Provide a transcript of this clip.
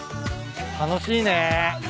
楽しいね。